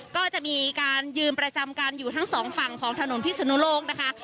ก็จะมีการยืมประจำการอยู่ทั้งสองฝั่งของถนนพิศนุโลกนะคะ